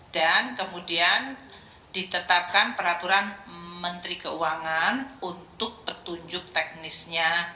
dan kemudian ditetapkan peraturan menteri keuangan untuk petunjuk teknisnya